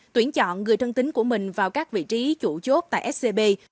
tuyển chọn người thân tính của mình vào các vị trí chủ chốt tại scb